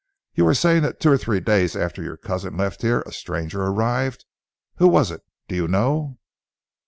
"You were saying that two or three days after your cousin left here a stranger arrived. Who was it? Do you know?"